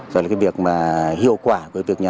và cái việc hiệu quả của việc